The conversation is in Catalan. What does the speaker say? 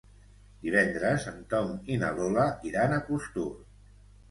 Divendres en Tom i na Lola iran a Costur.